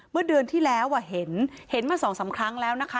เมื่อเดือนที่แล้วเห็นมา๒๓ครั้งแล้วนะคะ